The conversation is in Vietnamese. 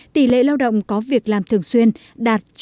tỷ lệ lao động có việc làm thường xuyên đạt chín mươi bốn bảy